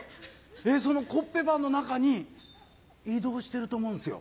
そのコッペパンの中に移動してると思うんですよ。